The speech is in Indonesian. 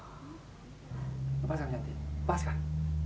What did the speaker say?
lepaskan yanti lepaskan